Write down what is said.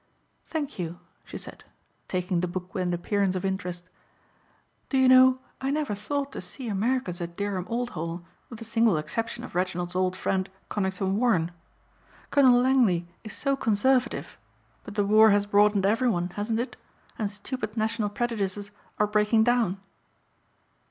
"Thank you," she said, taking the book with an appearance of interest. "Do you know I never thought to see Americans at Dereham Old Hall with the single exception of Reginald's old friend Conington Warren. Colonel Langley is so conservative but the war has broadened everyone hasn't it and stupid national prejudices are breaking down."